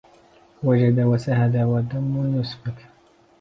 وجد وسهد ودم يسفك